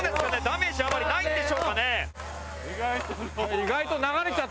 ダメージあまりないんでしょうかね？